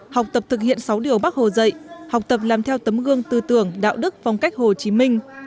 học tập thực hiện sáu điều bác hồ dạy học tập làm theo tấm gương tư tưởng đạo đức phong cách hồ chí minh